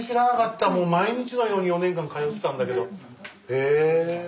へえ。